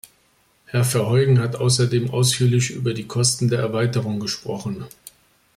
Herr Verheugen hat außerdem ausführlich über die Kosten der Erweiterung gesprochen.